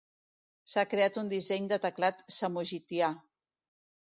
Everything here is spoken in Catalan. S'ha creat un disseny de teclat samogitià.